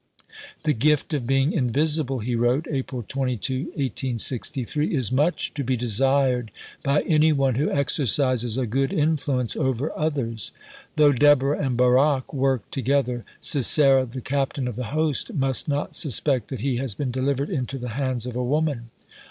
"The gift of being invisible," he wrote (April 22, 1863), "is much to be desired by any one who exercises a good influence over others. Though Deborah and Barak work together, Sisera the Captain of the Host must not suspect that he has been delivered into the hands of a woman."